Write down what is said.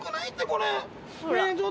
これ。